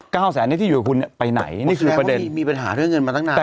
แสนนี้ที่อยู่กับคุณเนี่ยไปไหนนี่คือประเด็นมีปัญหาเรื่องเงินมาตั้งนาน